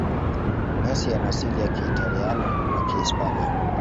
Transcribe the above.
Messi ana asili ya kiitaliano na kihispania